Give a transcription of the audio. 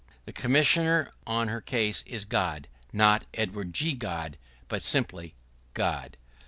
The Commissioner on her case is God; not Edward G. God, but simply God.